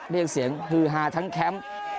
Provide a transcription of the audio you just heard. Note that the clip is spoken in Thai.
เรียกเสียงฮือฮาทั้งแคมป์